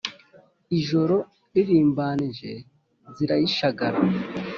ijoro ririmbanyije, zirayishagara